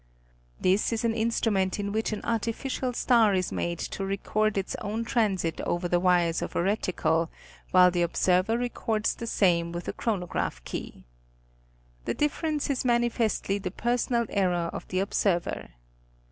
This is an instrument in which an artificial star is made to record its own transit over the wires of a reticle, while the observer records the same with a chro nograph key. The difference is manifestly the personal error of the observer.